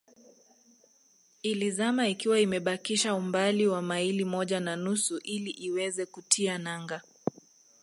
Ilizama ikiwa imebakisha umbali wa maili moja na nusu ili iweze kutia nanga